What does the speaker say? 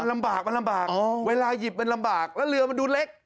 ลำบากมันลำบากเวลาหยิบมันลำบากแล้วเรือมันดูเล็ก